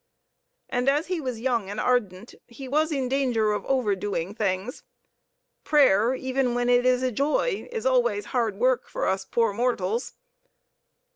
And as he was young and ardent, he was in danger of overdoing things. Prayer, even when it is a joy, is always hard work for us poor mortals.